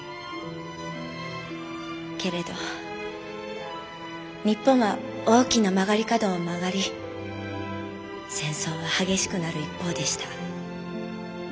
けれど日本は大きな曲がり角を曲がり戦争は激しくなる一方でした。